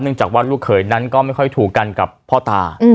จากว่าลูกเขยนั้นก็ไม่ค่อยถูกกันกับพ่อตา